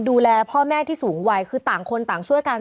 ดูแลพ่อแม่ที่สูงวัยคือต่างคนต่างช่วยกัน